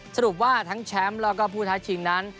สรุปว่าทั้งแชมป์แล้วก็ผู้ท้าชิงนั้น